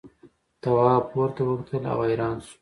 تواب پورته وکتل او حیران شو.